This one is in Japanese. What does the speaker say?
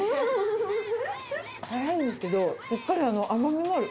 辛いんですけど、しっかり甘みもある。